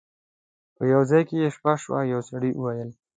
په یو ځای کې یې شپه شوه یو سړي وویل.